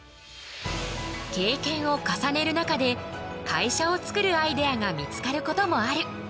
経験を重ねる中で会社を作るアイデアが見つかることもある。